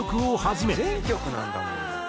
「全曲なんだもう」